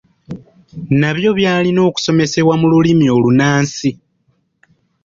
Nabyo byalina kusomesebwa mu Lulimi olunnansi.